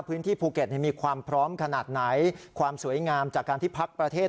พื้นที่ภูเก็ตมีความพร้อมขนาดไหนความสวยงามจากการที่พักประเทศ